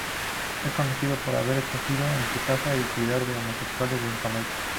Es conocido por haber acogido en su casa y cuidar de homosexuales en Jamaica.